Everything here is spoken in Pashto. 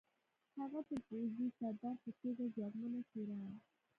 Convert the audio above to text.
هغه د پوځي سردار په توګه ځواکمنه څېره وه